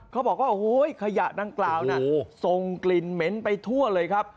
เขาบอกว่าโอ้โหขยะดังกล่าวน่ะส่งกลิ่นเหม็นไปทั่วเลยครับ